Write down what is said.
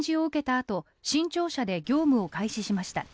あと新庁舎で業務を開始しました。